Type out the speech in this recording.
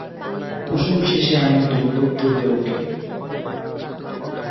কুসুম শেষে এমন দুর্বোধ্য হইয়া উঠিল!